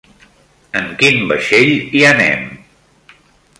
En quin vaixell hi anem?